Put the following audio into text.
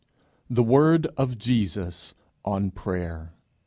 THE WORD OF JESUS ON PRAYER.